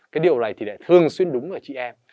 cái điều này thì lại thường xuyên đúng ở chị em